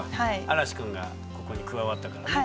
嵐士くんがここに加わったからね。